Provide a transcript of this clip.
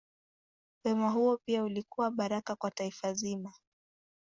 Wema huo pia ulikuwa baraka kwa taifa zima.